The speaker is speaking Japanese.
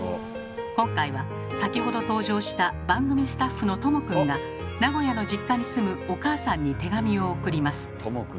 今回は先ほど登場した番組スタッフのとも君が名古屋の実家に住むお母さんに手紙を送ります。